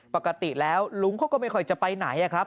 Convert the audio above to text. ปกติแล้วลุงเขาก็ไม่ค่อยจะไปไหนครับ